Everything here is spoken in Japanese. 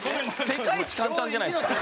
世界一簡単じゃないですか。